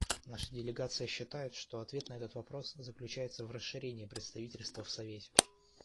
Наша делегация считает, что ответ на этот вопрос заключается в расширении представительства в Совете.